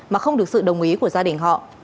mà không được sự đồng ý của gia đình họ